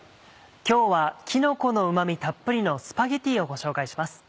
今日はきのこのうま味たっぷりのスパゲティをご紹介します。